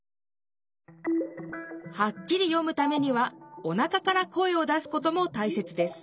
はっきり読むためにはおなかから声を出すこともたいせつです。